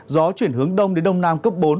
gió chuyển hướng đông đến đông nam cấp bốn